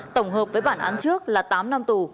tổng hợp với bản án trước là tám năm tù